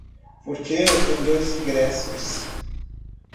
Porque tem dois ingressos